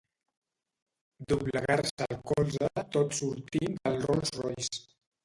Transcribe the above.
Doblegar-se el colze tot sortint del Rolls Royce.